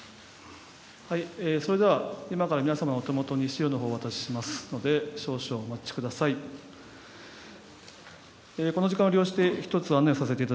それでは今から皆様のお手元に資料のほうをお渡ししますので少々お待ちください。